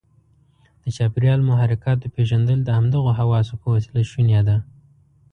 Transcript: د چاپیریال محرکاتو پېژندل د همدغو حواسو په وسیله شونې ده.